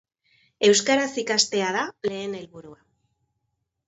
Euskaraz ikastea da lehen helburua.